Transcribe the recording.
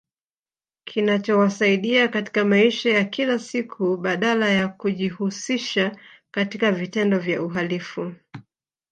Kinachowasaidia katika maisha ya kila siku badala ya kujihusisha katika vitendo vya uhalifu